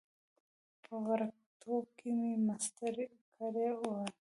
په وړکتوب کې مې مسطر کړي ول.